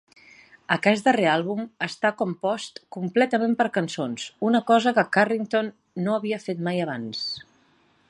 Aquest darrer àlbum està compost completament per cançons, una cosa que Carrington no havia fet mai abans.